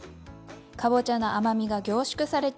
かぼちゃの甘みが凝縮されています。